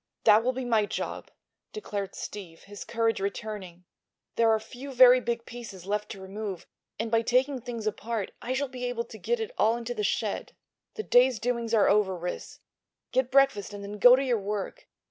"That will be my job," declared Steve, his courage returning. "There are few very big pieces left to remove, and by taking things apart I shall be able to get it all into the shed. The day's doings are over, Ris. Get breakfast and then go to your work.